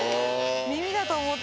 耳だと思った。